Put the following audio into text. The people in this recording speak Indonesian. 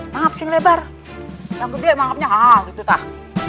mangap sing lebar yang gede mangapnya hal gitu tah